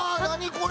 これ。